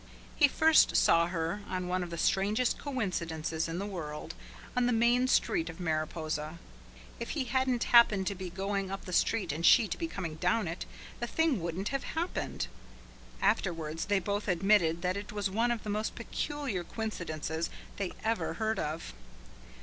He first saw her by one of the strangest coincidences in the world on the Main Street of Mariposa. If he hadn't happened to be going up the street and she to be coming down it, the thing wouldn't have happened. Afterwards they both admitted that it was one of the most peculiar coincidences they ever heard of.